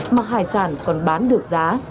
mà hải sản còn bán được giá